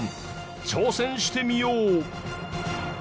挑戦してみよう！